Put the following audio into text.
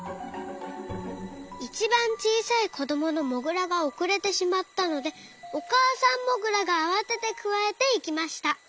いちばんちいさいこどものモグラがおくれてしまったのでおかあさんモグラがあわててくわえていきました。